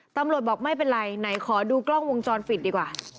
ตำรวจบอกไม่เป็นไรไหนขอดูกล้องวงจรปิดดีกว่า